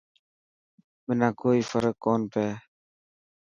منا ڪوئي فرڪ ڪون پيي.